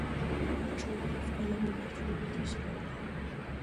ჭურვებს ყველა მიმართულებით ისროდნენ.